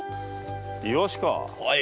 イワシか。